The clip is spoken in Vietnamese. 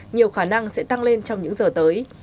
nhiều khả năng sẽ tăng lên trong những giờ tới